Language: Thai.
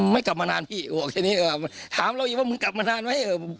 ไม่กลับมานานพี่ว่าแค่นี้ว่าถามแล้วอย่าว่ามึงกลับมานานไหม